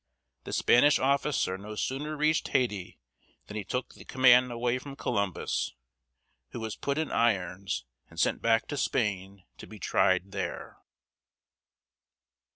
The Spanish officer no sooner reached Haiti than he took the command away from Columbus, who was put in irons and sent back to Spain to be tried there.